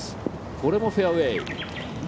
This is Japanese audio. これもフェアウエー。